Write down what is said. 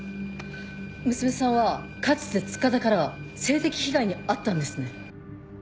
娘さんはかつて塚田から性的被害に遭ったんですね？